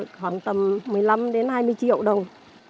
một mươi năm đến hai mươi triệu đồng